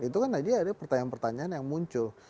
itu kan jadi ada pertanyaan pertanyaan yang muncul